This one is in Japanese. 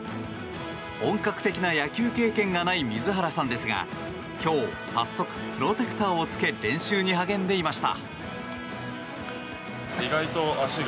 本格的な野球経験がない水原さんですが今日早速、プロテクターをつけ練習に励んでいました。